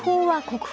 はい！